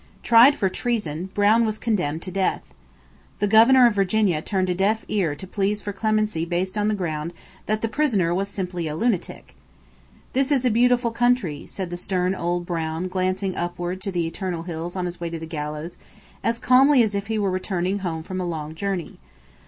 Tried for treason, Brown was condemned to death. The governor of Virginia turned a deaf ear to pleas for clemency based on the ground that the prisoner was simply a lunatic. "This is a beautiful country," said the stern old Brown glancing upward to the eternal hills on his way to the gallows, as calmly as if he were returning home from a long journey.